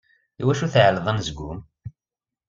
Iwacu tɛelleḍ anezgum?